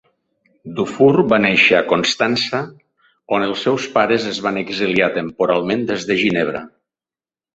Dufour va néixer a Constança, on els seus pares es van exiliar temporalment des de Ginebra.